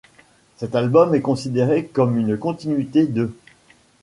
Cet album est considéré comme une continuité de '.